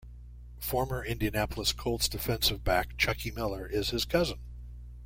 Former Indianapolis Colts defensive back Chuckie Miller is his cousin.